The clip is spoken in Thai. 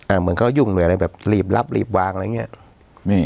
อ้าวเหมือนเค้ายุ่งด้วยแบบรีบรับรีบวางอะไรอย่างเงี้ย